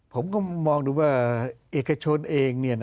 ผมก็มองดูว่าเอกชนเอง